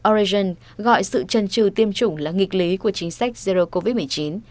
origen gọi sự trần trừ tiêm chủng là nghịch lý của chính sách zero covid một mươi chín